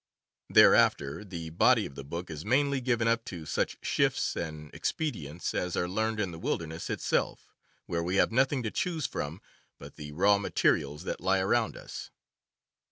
Thereafter, the body of the book is mainly given up to such shifts and expedi ents as are learned in the wilderness itself, where we have nothing to choose from but the raw materials that lie around us.